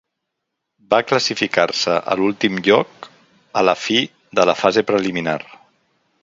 Va classificar-se a l'últim lloc a la fi de la fase preliminar.